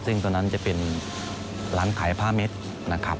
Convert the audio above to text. ซึ่งตอนนั้นจะเป็นร้านขายผ้าเม็ดนะครับ